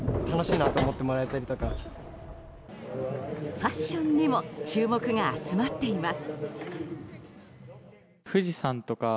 ファッションにも注目が集まっています。